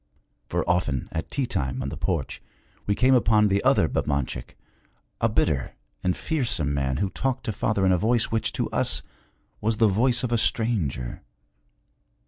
For often at tea time on the porch we came upon the other Babanchik, a bitter and fearsome man who talked to father in a voice which, to us, was the voice of a stranger.